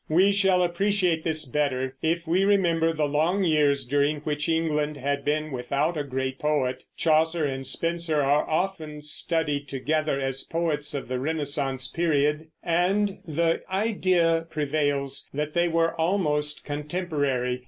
We shall appreciate this better if we remember the long years during which England had been without a great poet. Chaucer and Spenser are often studied together as poets of the Renaissance period, and the idea prevails that they were almost contemporary.